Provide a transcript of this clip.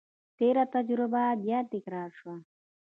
تېره تجربه بیا تکرار شوه.